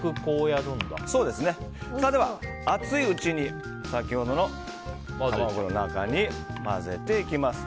熱いうちに先ほどの卵の中に混ぜていきます。